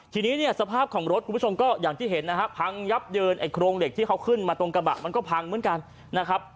ทีนี้เนี่ยสภาพของรถคุณผู้ชมก็อย่างที่เห็นนะฮะพังยับเยินไอ้โครงเหล็กที่เขาขึ้นมาตรงกระบะมันก็พังเหมือนกันนะครับ